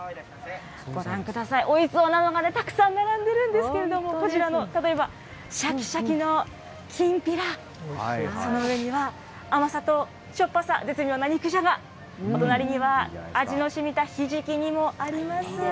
ご覧ください、おいしそうなものがたくさん並んでるんですけども、こちらの、例えば、しゃきしゃきのきんぴら、その上には、甘さとしょっぱさ、絶妙な肉じゃが、お隣には、味のしみたひじき煮もあります。